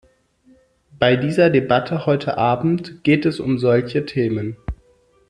Bei dieser Debatte heute Abend geht es um solche Themen.